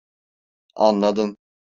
Anladın?